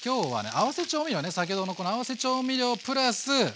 合わせ調味料ね先ほどのこの合わせ調味料プラス。